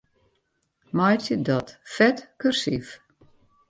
Meitsje dat fet kursyf.